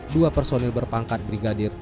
dua personil berpangkat brigadir